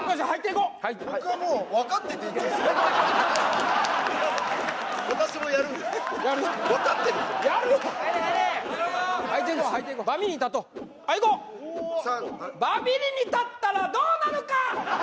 こうバミリに立ったらどうなるか！